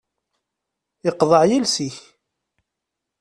Iqḍeε yiles-ik.